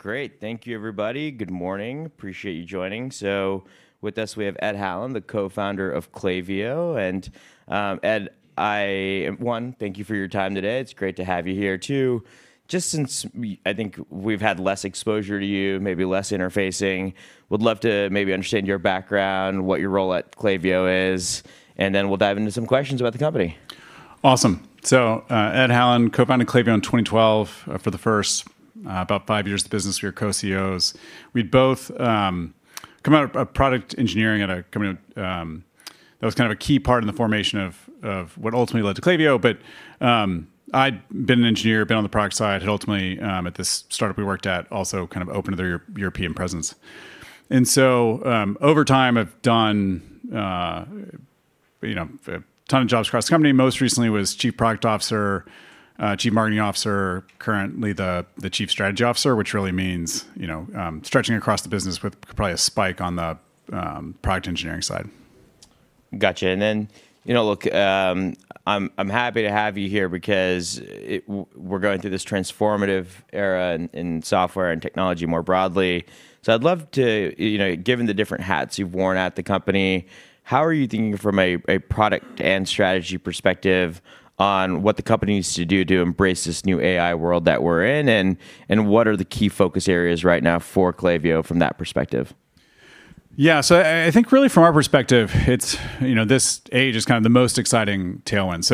Great. Thank you everybody. Good morning. Appreciate you joining. With us we have Ed Hallen, the Co-Founder of Klaviyo. Ed, one, thank you for your time today. It's great to have you here. Two, just since I think we've had less exposure to you, maybe less interfacing, would love to maybe understand your background, what your role at Klaviyo is, and then we'll dive into some questions about the company. Awesome. Ed Hallen co-founded Klaviyo in 2012. For the first about five years of the business, we were co-CEOs. We'd both come out of product engineering at a company that was kind of a key part in the formation of what ultimately led to Klaviyo. I'd been an engineer, been on the product side, had ultimately, at this start-up we worked at, also kind of opened their European presence. Over time I've done a ton of jobs across the company. Most recently was Chief Product Officer, Chief Marketing Officer, currently the Chief Strategy Officer, which really means stretching across the business with probably a spike on the product engineering side. Got you. Look, I'm happy to have you here because we're going through this transformative era in software and technology more broadly. I'd love to, given the different hats you've worn at the company, how are you thinking from a product and strategy perspective on what the company needs to do to embrace this new AI world that we're in? What are the key focus areas right now for Klaviyo from that perspective? I think really from our perspective, this age is kind of the most exciting tail end.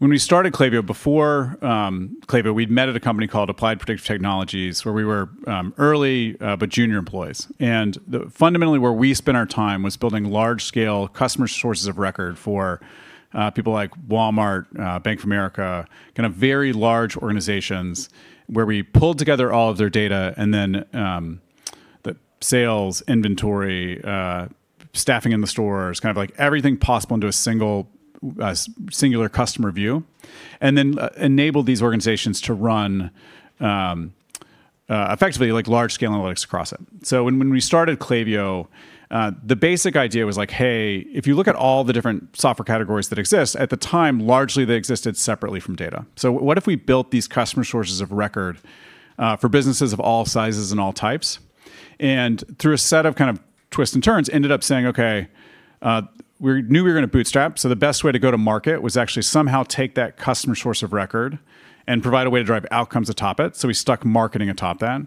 When we started Klaviyo, before Klaviyo, we'd met at a company called Applied Predictive Technologies, where we were early but junior employees. Fundamentally where we spent our time was building large-scale customer sources of record for people like Walmart, Bank of America, kind of very large organizations where we pulled together all of their data and then the sales, inventory, staffing in the stores, kind of like everything possible into a singular customer view. Then enabled these organizations to run effectively large-scale analytics across it. When we started Klaviyo, the basic idea was like, hey, if you look at all the different software categories that exist, at the time, largely they existed separately from data. What if we built these customer sources of record for businesses of all sizes and all types? Through a set of kind of twists and turns, ended up saying, okay, we knew we were going to bootstrap, so the best way to go to market was actually somehow take that customer source of record and provide a way to drive outcomes atop it, so we stuck marketing atop that.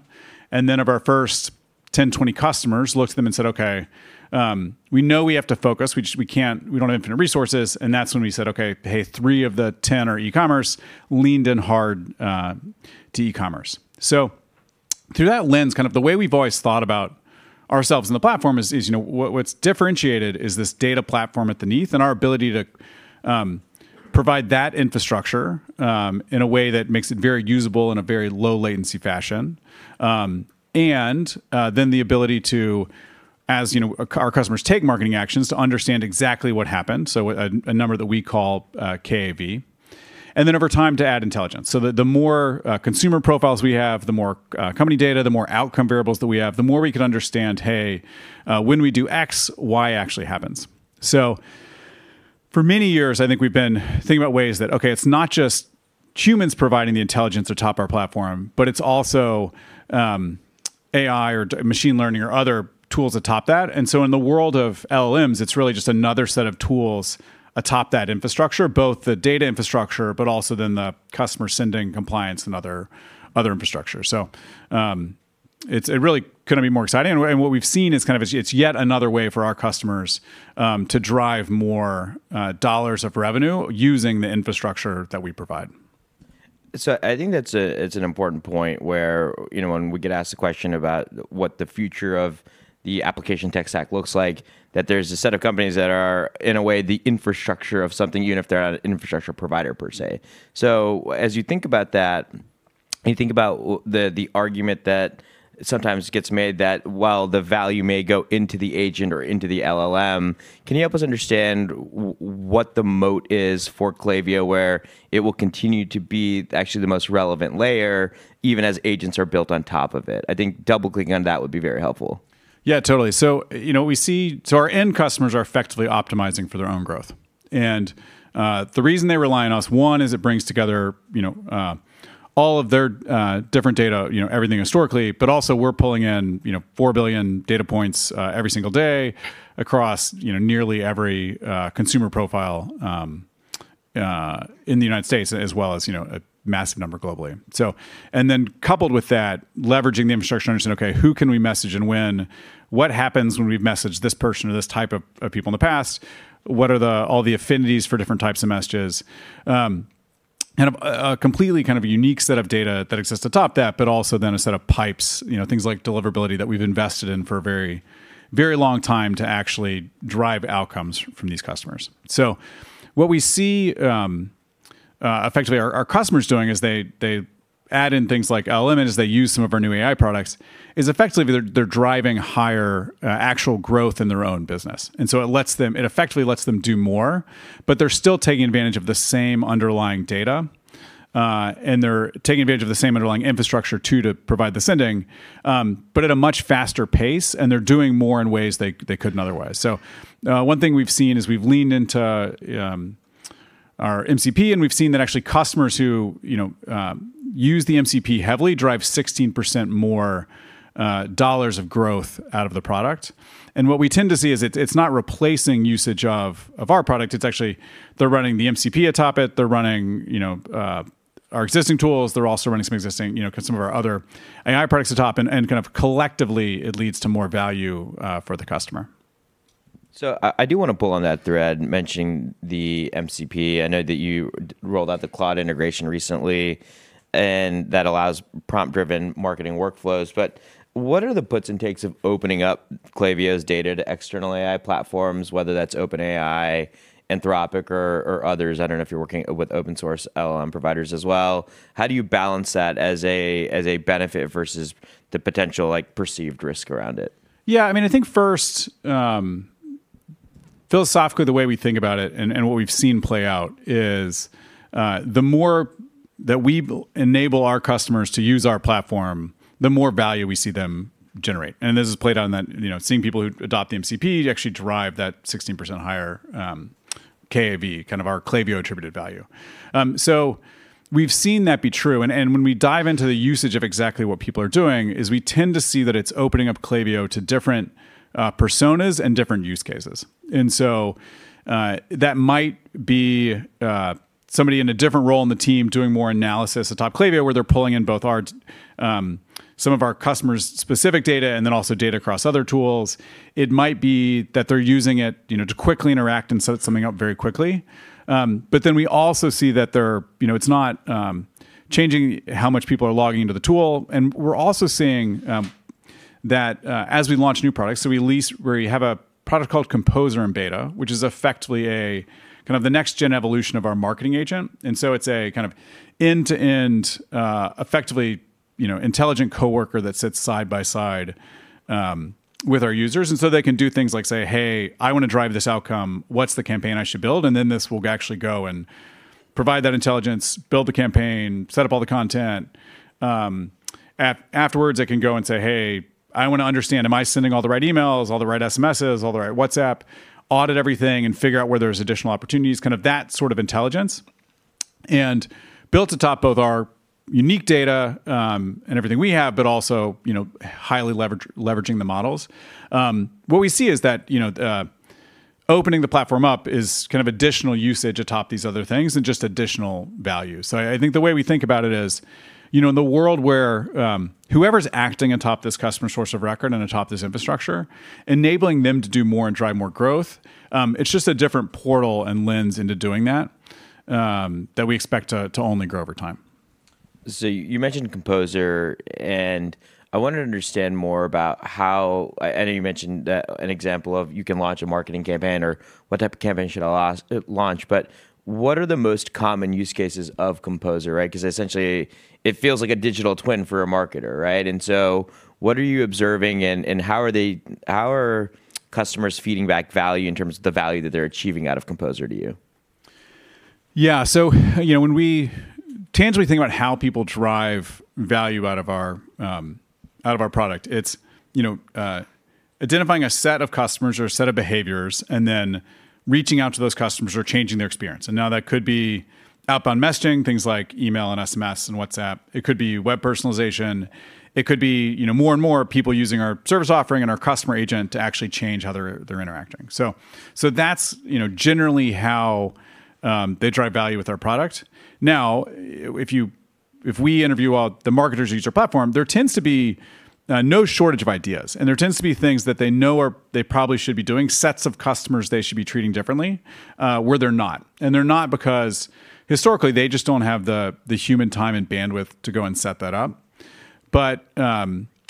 Then of our first 10, 20 customers, looked at them and said, okay, we know we have to focus. We don't have infinite resources. That's when we said, okay, hey, three of the 10 are e-commerce, leaned in hard to e-commerce. Through that lens, kind of the way we've always thought about ourselves and the platform is what's differentiated is this data platform underneath and our ability to provide that infrastructure in a way that makes it very usable in a very low latency fashion. The ability to, as our customers take marketing actions, to understand exactly what happened. A number that we call KAV. Over time to add intelligence. The more consumer profiles we have, the more company data, the more outcome variables that we have, the more we can understand, hey, when we do X, Y actually happens. For many years, I think we've been thinking about ways that, okay, it's not just humans providing the intelligence atop our platform, but it's also AI or machine learning or other tools atop that. In the world of LLMs, it's really just another set of tools atop that infrastructure, both the data infrastructure, but also then the customer sending compliance and other infrastructure. It really couldn't be more exciting. What we've seen is it's yet another way for our customers to drive more dollars of revenue using the infrastructure that we provide. I think that it's an important point where when we get asked a question about what the future of the application tech stack looks like, that there's a set of companies that are, in a way, the infrastructure of something, even if they're not an infrastructure provider per se. As you think about that and you think about the argument that sometimes gets made that while the value may go into the agent or into the LLM, can you help us understand what the moat is for Klaviyo, where it will continue to be actually the most relevant layer even as agents are built on top of it? I think double-clicking on that would be very helpful. Yeah, totally. Our end customers are effectively optimizing for their own growth. The reason they rely on us, one, is it brings together all of their different data, everything historically, but also we're pulling in 4 billion data points every single day across nearly every consumer profile in the U.S., as well as a massive number globally. Coupled with that, leveraging the infrastructure to understand, okay, who can we message and when? What happens when we message this person or this type of people in the past? What are all the affinities for different types of messages? Kind of a completely unique set of data that exists atop that, but also then a set of pipes, things like deliverability that we've invested in for a very long time to actually drive outcomes from these customers. What we see effectively our customers doing is they add in things like LLMs, they use some of our new AI products, is effectively they're driving higher actual growth in their own business. It effectively lets them do more, but they're still taking advantage of the same underlying data, and they're taking advantage of the same underlying infrastructure too to provide the sending, but at a much faster pace, and they're doing more in ways they couldn't otherwise. One thing we've seen is we've leaned into our MCP, and we've seen that actually customers who use the MCP heavily drive 16% more dollars of growth out of the product. What we tend to see is it's not replacing usage of our product, it's actually they're running the MCP atop it. They're running our existing tools. They're also running some existing, because some of our other AI products atop it, and kind of collectively, it leads to more value for the customer. I do want to pull on that thread mentioning the MCP. I know that you rolled out the Claude integration recently, and that allows prompt-driven marketing workflows. What are the puts and takes of opening up Klaviyo's data to external AI platforms, whether that's OpenAI, Anthropic, or others? I don't know if you're working with open source LLM providers as well. How do you balance that as a benefit versus the potential perceived risk around it? I think first, philosophically, the way we think about it and what we've seen play out is, the more that we enable our customers to use our platform, the more value we see them generate. This has played out in that, seeing people who adopt the MCP actually drive that 16% higher KAV, kind of our Klaviyo attributed value. We've seen that be true, and when we dive into the usage of exactly what people are doing is we tend to see that it's opening up Klaviyo to different personas and different use cases. That might be somebody in a different role on the team doing more analysis atop Klaviyo, where they're pulling in both some of our customers' specific data and then also data across other tools. It might be that they're using it to quickly interact and set something up very quickly. We also see that it's not changing how much people are logging into the tool. We're also seeing that as we launch new products, so we have a product called Composer in beta, which is effectively a kind of the next-gen evolution of our marketing agent. It's a kind of end-to-end, effectively, intelligent coworker that sits side by side with our users. They can do things like say, "Hey, I want to drive this outcome. What's the campaign I should build?" This will actually go and provide that intelligence, build the campaign, set up all the content. Afterwards, it can go and say, "Hey, I want to understand, am I sending all the right emails, all the right SMSs, all the right WhatsApp?" Audit everything and figure out where there's additional opportunities, kind of that sort of intelligence, and built atop both our unique data, and everything we have, but also highly leveraging the models. What we see is that opening the platform up is kind of additional usage atop these other things and just additional value. I think the way we think about it is, in the world where whoever's acting atop this customer source of record and atop this infrastructure, enabling them to do more and drive more growth, it's just a different portal and lens into doing that we expect to only grow over time. You mentioned Composer, and I want to understand more about how, I know you mentioned an example of you can launch a marketing campaign or what type of campaign should I launch, but what are the most common use cases of Composer, right? Essentially it feels like a digital twin for a marketer, right? What are you observing and how are customers feeding back value in terms of the value that they're achieving out of Composer to you? Yeah. When we tangibly think about how people drive value out of our product, it's identifying a set of customers or a set of behaviors and then reaching out to those customers or changing their experience. Now, that could be outbound messaging, things like email and SMS and WhatsApp. It could be web personalization. It could be more and more people using our service offering and our Customer Agent to actually change how they're interacting. That's generally how they drive value with our product. Now, if we interview all the marketers who use our platform, there tends to be no shortage of ideas, and there tends to be things that they know they probably should be doing, sets of customers they should be treating differently, where they're not. They're not because historically they just don't have the human time and bandwidth to go and set that up.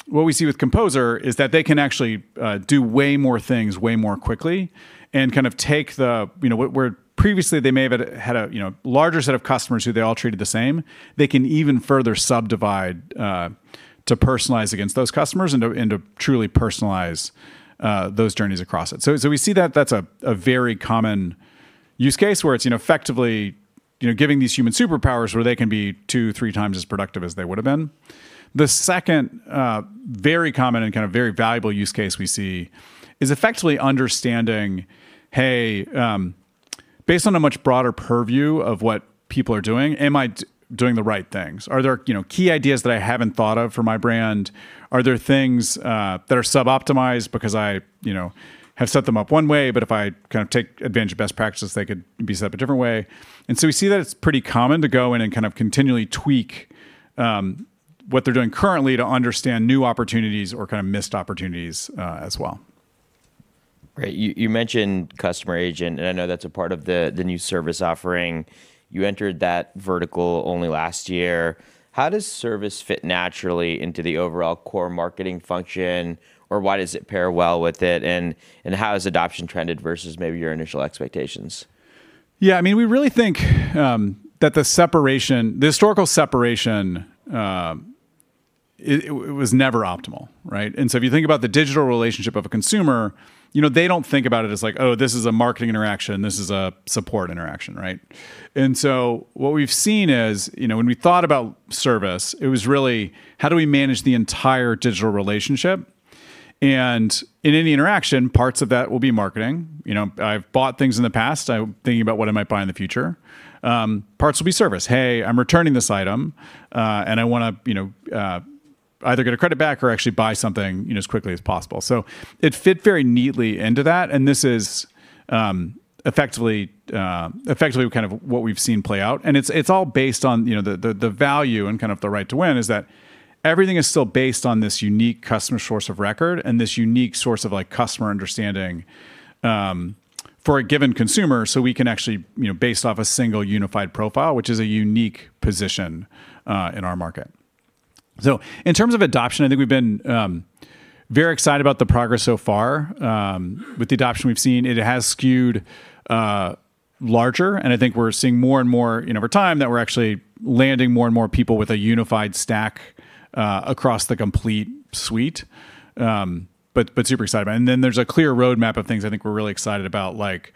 What we see with Composer is that they can actually do way more things way more quickly and kind of take the, where previously they may have had a larger set of customers who they all treated the same, they can even further subdivide to personalize against those customers and to truly personalize those journeys across it. We see that that's a very common use case where it's effectively giving these human superpowers where they can be two, three times as productive as they would've been. The second very common and kind of very valuable use case we see is effectively understanding, hey, based on a much broader purview of what people are doing, am I doing the right things? Are there key ideas that I haven't thought of for my brand? Are there things that are sub-optimized because I have set them up one way, but if I kind of take advantage of best practices, they could be set up a different way. We see that it's pretty common to go in and kind of continually tweak what they're doing currently to understand new opportunities or kind of missed opportunities as well. Right. You mentioned Customer Agent, and I know that's a part of the new service offering. You entered that vertical only last year. How does service fit naturally into the overall core marketing function? Or why does it pair well with it, and how has adoption trended versus maybe your initial expectations? We really think that the historical separation. It was never optimal. Right? If you think about the digital relationship of a consumer, they don't think about it as like, "Oh, this is a marketing interaction, this is a support interaction." Right? What we've seen is, when we thought about service, it was really how do we manage the entire digital relationship? In any interaction, parts of that will be marketing. I've bought things in the past, I'm thinking about what I might buy in the future. Parts will be service. Hey, I'm returning this item, and I want to either get a credit back or actually buy something as quickly as possible. It fit very neatly into that, and this is effectively kind of what we've seen play out. It's all based on the value and kind of the right to win, is that everything is still based on this unique customer source of record and this unique source of customer understanding for a given consumer, so we can actually base it off a single unified profile, which is a unique position in our market. In terms of adoption, I think we've been very excited about the progress so far with the adoption we've seen. It has skewed larger, and I think we're seeing more and more over time that we're actually landing more and more people with a unified stack across the complete suite. Super excited about it. There's a clear roadmap of things I think we're really excited about, like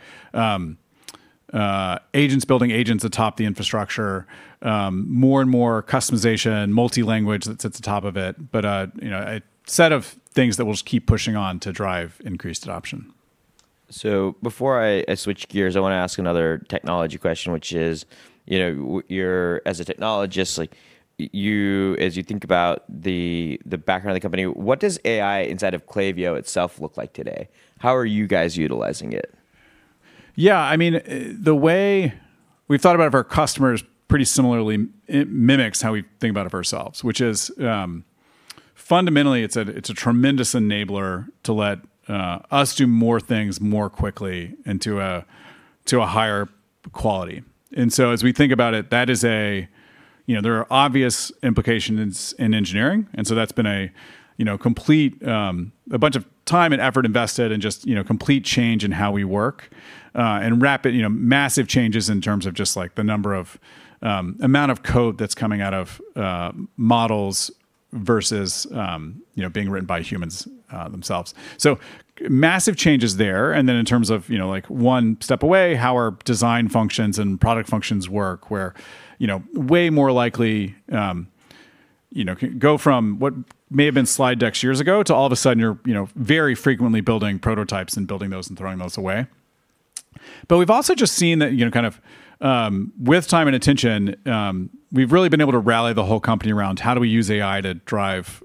agents building agents atop the infrastructure. More and more customization, multi-language that's at the top of it. A set of things that we'll just keep pushing on to drive increased adoption. Before I switch gears, I want to ask another technology question, which is, as a technologist, as you think about the background of the company, what does AI inside of Klaviyo itself look like today? How are you guys utilizing it? Yeah. The way we've thought about it for our customers pretty similarly, it mimics how we think about it for ourselves, which is fundamentally it's a tremendous enabler to let us do more things more quickly and to a higher quality. As we think about it, there are obvious implications in engineering, and so that's been a bunch of time and effort invested and just complete change in how we work, and massive changes in terms of just the amount of code that's coming out of models versus being written by humans themselves. Massive changes there. In terms of one step away, how our design functions and product functions work, where way more likely go from what may have been slide decks years ago to all of a sudden you're very frequently building prototypes and building those and throwing those away. We've also just seen that kind of with time and attention, we've really been able to rally the whole company around how do we use AI to drive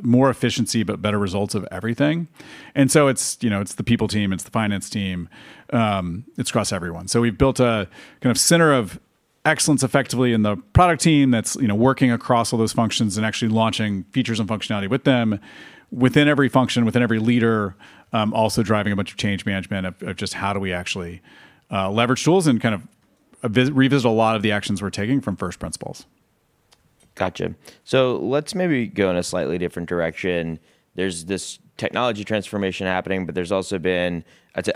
more efficiency, but better results of everything. It's the people team, it's the finance team, it's across everyone. We've built a kind of center of excellence effectively in the product team that's working across all those functions and actually launching features and functionality with them within every function, within every leader. Also driving a bunch of change management of just how do we actually leverage tools and kind of revisit a lot of the actions we're taking from first principles. Got you. Let's maybe go in a slightly different direction. There's this technology transformation happening, but there's also been,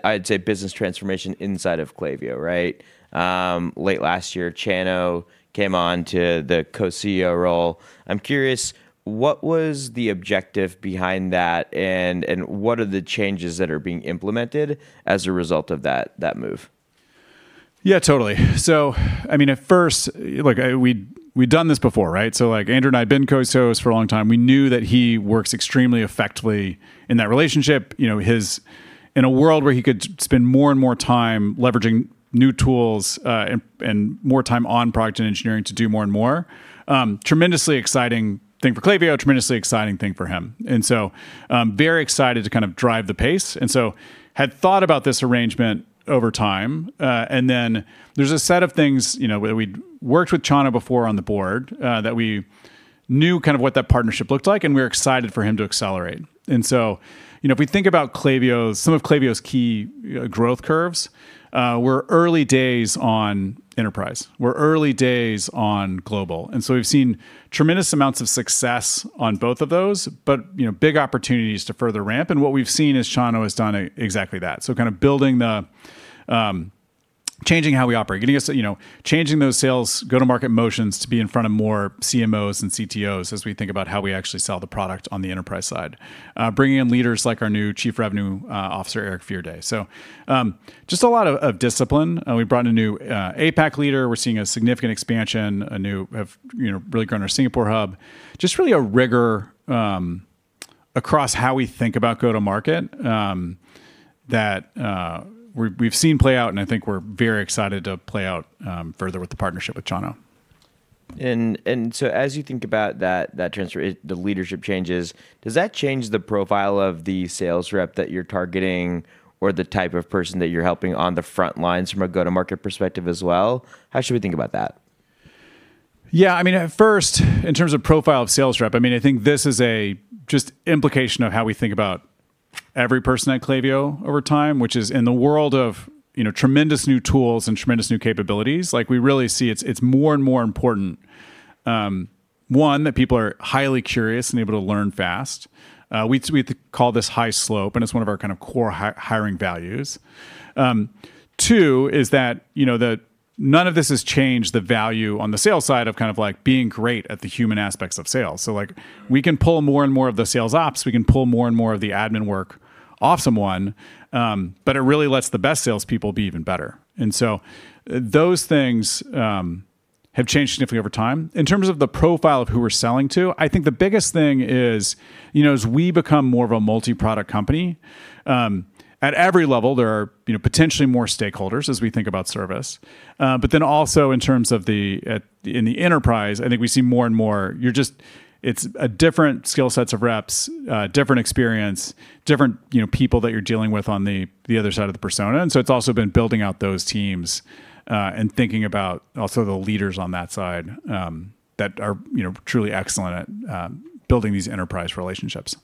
I'd say business transformation inside of Klaviyo, right? Late last year, Chano came on to the Co-CEO role. I'm curious, what was the objective behind that, and what are the changes that are being implemented as a result of that move? Yeah, totally. At first, we'd done this before, right? Andrew and I have been Co-CEOs for a long time. We knew that he works extremely effectively in that relationship. In a world where he could spend more and more time leveraging new tools and more time on product and engineering to do more and more. Tremendously exciting thing for Klaviyo, tremendously exciting thing for him. Very excited to kind of drive the pace. Had thought about this arrangement over time. There's a set of things, we'd worked with Chano before on the board, that we knew kind of what that partnership looked like, and we were excited for him to accelerate. If we think about some of Klaviyo's key growth curves, we're early days on enterprise. We're early days on global. We've seen tremendous amounts of success on both of those, but big opportunities to further ramp. What we've seen is Chano has done exactly that. Kind of changing how we operate, changing those sales go-to-market motions to be in front of more CMOs and CTOs as we think about how we actually sell the product on the enterprise side. Bringing in leaders like our new Chief Revenue Officer, Eric Fearday. Just a lot of discipline. We brought a new APAC leader. We're seeing a significant expansion, have really grown our Singapore Hub. Just really a rigor across how we think about go-to-market that we've seen play out, and I think we're very excited to play out further with the partnership with Chano. As you think about the leadership changes, does that change the profile of the sales rep that you're targeting or the type of person that you're helping on the front lines from a go-to-market perspective as well? How should we think about that? Yeah. At first, in terms of profile of sales rep, I think this is a just implication of how we think about every person at Klaviyo over time, which is in the world of tremendous new tools and tremendous new capabilities, we really see it's more and more important, one, that people are highly curious and able to learn fast. We call this high slope, and it's one of our kind of core hiring values. Two is that none of this has changed the value on the sales side of kind of like being great at the human aspects of sales. Like we can pull more and more of the sales ops, we can pull more and more of the admin work off someone. It really lets the best salespeople be even better. Those things have changed significantly over time. In terms of the profile of who we're selling to, I think the biggest thing is, you know, as we become more of a multi-product company, at every level, there are, you know, potentially more stakeholders as we think about service. Also in terms of in the enterprise, I think we see more and more, it's a different skill sets of reps, different experience, different, you know, people that you're dealing with on the other side of the persona. It's also been building out those teams, and thinking about also the leaders on that side, that are, you know, truly excellent at, building these enterprise relationships.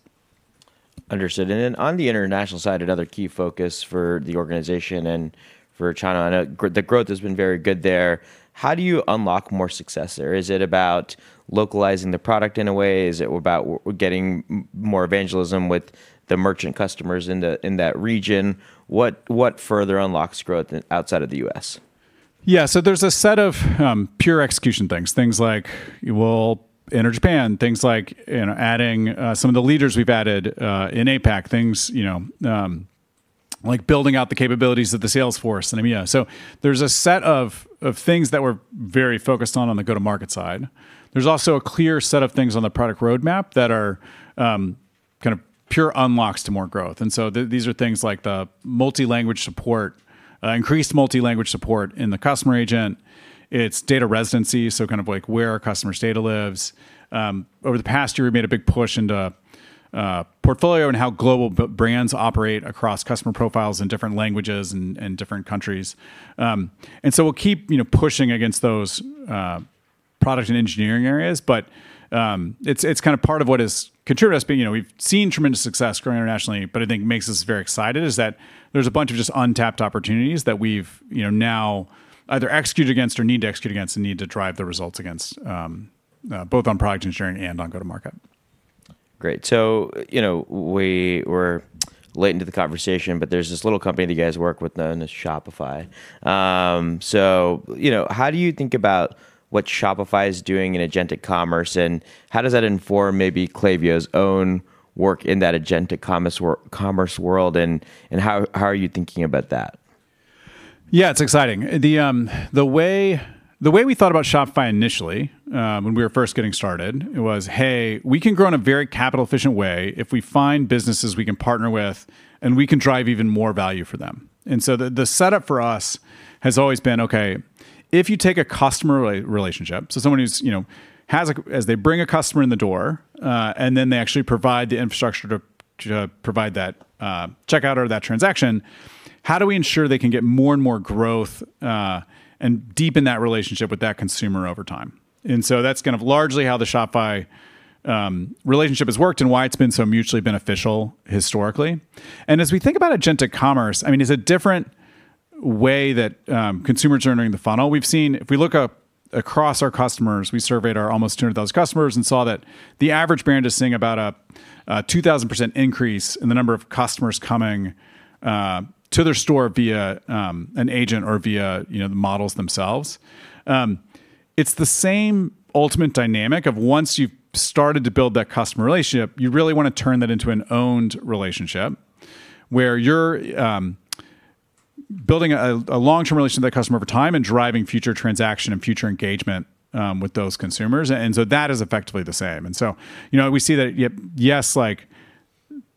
Understood. Then on the international side, another key focus for the organization and for Chano, I know the growth has been very good there. How do you unlock more success there? Is it about localizing the product in a way? Is it about getting more evangelism with the merchant customers into, in that region? What further unlocks growth outside of the U.S.? There's a set of pure execution things. Things like we'll enter Japan, things like, you know, adding some of the leaders we've added in APAC, things, you know, like building out the capabilities of the sales force. There's a set of things that we're very focused on on the go-to-market side. There's also a clear set of things on the product roadmap that are kind of pure unlocks to more growth. These are things like the multi-language support, increased multi-language support in the Customer Agent. It's data residency, so kind of like where our customer's data lives. Over the past year, we've made a big push into portfolio and how global brands operate across customer profiles in different languages and different countries. We'll keep, you know, pushing against those product and engineering areas. But it's kind of part of what has contributed to us being, you know, we've seen tremendous success growing internationally, but I think makes us very excited is that there's a bunch of just untapped opportunities that we've, you know, now either executed against or need to execute against and need to drive the results against, both on product engineering and on go-to-market. Great. You know, we're late into the conversation, but there's this little company that you guys work with known as Shopify. You know, how do you think about what Shopify is doing in agentic commerce, and how does that inform maybe Klaviyo's own work in that agentic commerce world, and how are you thinking about that? Yeah, it's exciting. The way we thought about Shopify initially, when we were first getting started, it was, "Hey, we can grow in a very capital efficient way if we find businesses we can partner with and we can drive even more value for them." The setup for us has always been, okay, if you take a customer relationship, so someone who's, you know, has a, as they bring a customer in the door, and then they actually provide the infrastructure to provide that checkout or that transaction. How do we ensure they can get more and more growth and deepen that relationship with that consumer over time? That's kind of largely how the Shopify relationship has worked and why it's been so mutually beneficial historically. As we think about agentic commerce, I mean, it's a different way that consumers are entering the funnel. We've seen, if we look up across our customers, we surveyed our almost 200,000 customers and saw that the average brand is seeing about a 2,000% increase in the number of customers coming to their store via an agent or via, you know, the models themselves. It's the same ultimate dynamic of once you've started to build that customer relationship, you really wanna turn that into an owned relationship where you're building a long-term relationship with that customer over time and driving future transaction and future engagement with those consumers. That is effectively the same. You know, we see that yes, like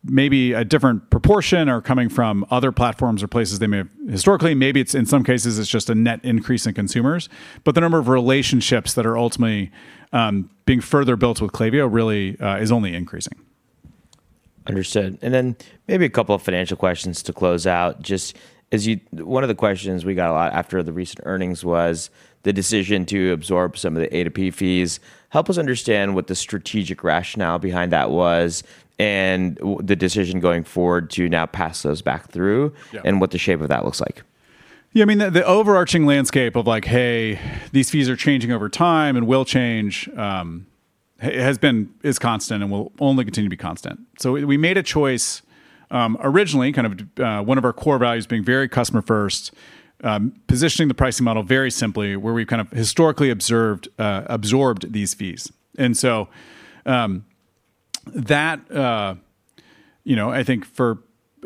maybe a different proportion are coming from other platforms or places they may have historically. Maybe it's, in some cases, it's just a net increase in consumers. The number of relationships that are ultimately being further built with Klaviyo really is only increasing. Understood. Maybe a couple of financial questions to close out. One of the questions we got a lot after the recent earnings was the decision to absorb some of the A2P fees. Help us understand what the strategic rationale behind that was and the decision going forward to now pass those back through. Yeah. What the shape of that looks like. Yeah, I mean, the overarching landscape of like, "Hey, these fees are changing over time and will change," is constant and will only continue to be constant. We made a choice, originally kind of one of our core values being very customer first, positioning the pricing model very simply, where we've kind of historically absorbed these fees. That, you know, I think for,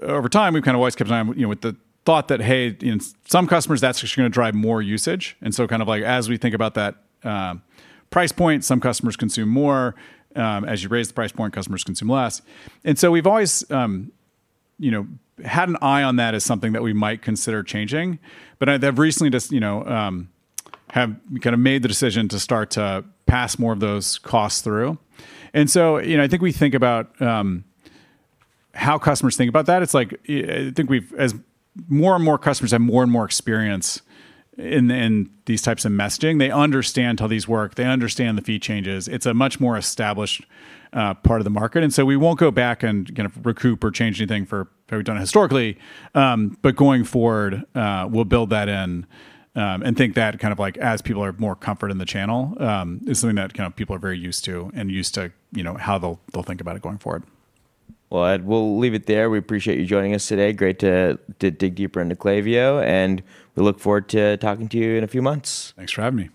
over time, we've kind of always kept an eye, you know, with the thought that, hey, you know, some customers, that's just gonna drive more usage. Kind of like as we think about that, price point, some customers consume more. As you raise the price point, customers consume less. We've always, you know, had an eye on that as something that we might consider changing. I've recently just, you know, have kind of made the decision to start to pass more of those costs through. You know, I think we think about how customers think about that. It's like, I think we've, as more and more customers have more and more experience in these types of messaging, they understand how these work. They understand the fee changes. It's a much more established part of the market. We won't go back and kind of recoup or change anything for how we've done it historically. Going forward, we'll build that in, and think that kind of like as people are more comfort in the channel, is something that kind of people are very used to and used to, you know, how they'll think about it going forward. Well, Ed, we'll leave it there. We appreciate you joining us today. Great to dig deeper into Klaviyo. We look forward to talking to you in a few months. Thanks for having me.